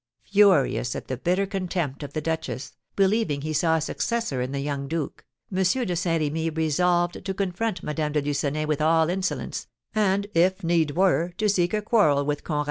Furious at the bitter contempt of the duchess, believing he saw a successor in the young duke, M. de Saint Remy resolved to confront Madame de Lucenay with all insolence, and, if need were, to seek a quarrel with Conrad.